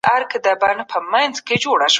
افغانان د خپلو وسلو سره چمتو و.